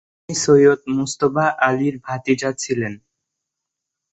তিনি সৈয়দ মুজতবা আলীর ভাতিজা ছিলেন।